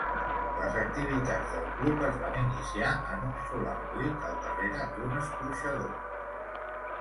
Les activitats del club es van iniciar en un solar buit al darrere d'un escorxador.